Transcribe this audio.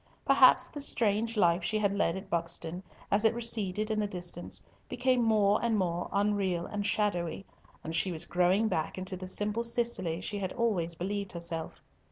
Perhaps the strange life she had led at Buxton, as it receded in the distance, became more and more unreal and shadowy, and she was growing back into the simple Cicely she had always believed herself.